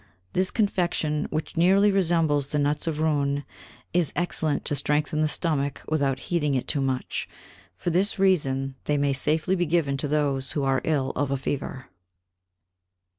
This Confection, which nearly resembles the Nuts of Roüen, is excellent to strengthen the Stomach without heating it too much; for this reason, they may safely be given to those who are ill of a Fever.